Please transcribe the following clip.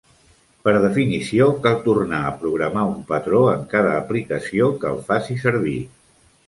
Per definició, cal tornar a programar un patró en cada aplicació que el faci servir.